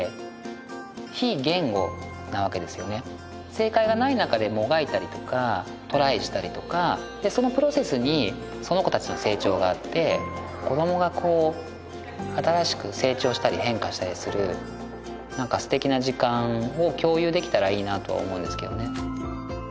正解がない中でもがいたりとかトライしたりとかでそのプロセスにその子達の成長があって子どもがこう新しく成長したり変化したりするなんか素敵な時間を共有できたらいいなとは思うんですけどね